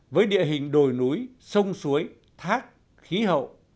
với địa hình đồi núi sông suối thác khí hậu